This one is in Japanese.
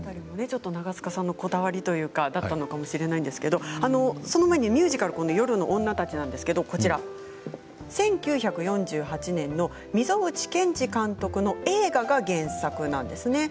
長塚さんのこだわりというのがあったのかもしれませんがその前にミュージカル「夜の女たち」１９４８年の溝口健二監督の映画が原作なんですね。